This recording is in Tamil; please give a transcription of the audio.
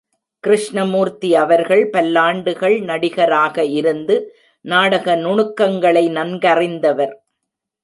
கிருஷ்ணமூர்த்தி அவர்கள் பல்லாண்டுகள் நடிகராக இருந்து நாடக நுணுக்கங்களை நன்கறிந்தவர்.